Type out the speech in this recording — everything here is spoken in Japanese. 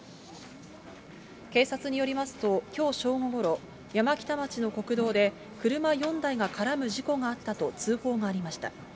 警察によりますと、きょう正午ごろ、山北町の国道で、車４台が絡む事故があったと通報がありました。